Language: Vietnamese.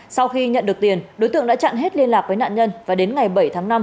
sau khi nhận được tiền đối tượng đã chặn hết liên lạc với nạn nhân và đến ngày bảy tháng năm